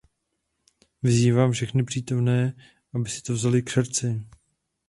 Vyzývám všechny přítomné, aby si to vzali k srdci.